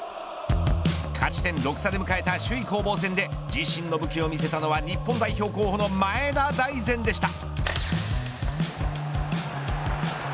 勝ち点６差で迎えた首位攻防戦で自身の武器を見せたのは日本代表候補の前田大然でした。